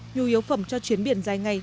nhu yếu phẩm cho chuyến biển dài ngày